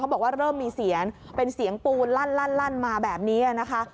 เขาบอกว่าเริ่มมีเสียงเป็นเสียงปูนลั่นลั่นลั่นมาแบบเนี้ยนะคะ